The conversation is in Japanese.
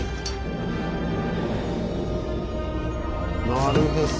なるへそ！